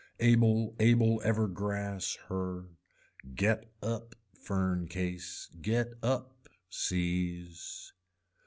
Able able ever grass her, get up fern case, get up seize.